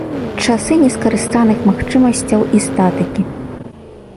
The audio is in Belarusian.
Часы нескарыстаных магчымасцяў і статыкі.